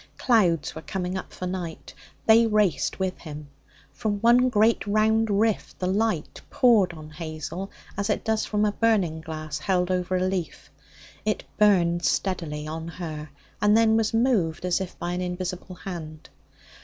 Clouds were coming up for night. They raced with him. From one great round rift the light poured on Hazel as it does from a burning glass held over a leaf. It burned steadily on her, and then was moved, as if by an invisible hand.